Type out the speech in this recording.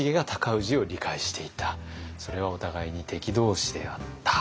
それはお互いに敵同士であった。